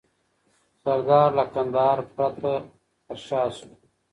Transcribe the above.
سردار له کندهار پر شا سو.